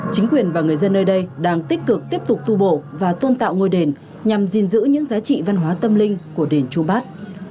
chính quyền và người dân nơi đây đang tích cực tiếp tục tu bổ và tôn tạo ngôi đền nhằm gìn giữ những giá trị văn hóa tâm linh của đền chú bát